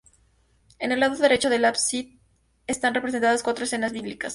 En el lado derecho del ábside están representadas cuatro escenas bíblicas.